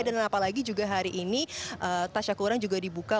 dan apalagi juga hari ini tasya kurang juga dibuka